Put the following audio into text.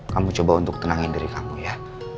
kamu coba untuk tenangin diri kamu ya